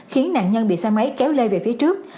khiến nạn nhân bị xe máy kéo lê về phía trước